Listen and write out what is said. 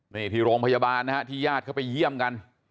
นี่ที่โรงพยาบาลนะฮะที่ญาติเข้าไปเยี่ยมกัน